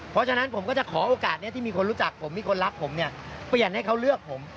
เพราะฉะนั้นผมก็จะขอโอกาสนี้ที่มีคนรู้จักผมมีคนรักผมเนี่ยเปลี่ยนให้เขาเลือกผม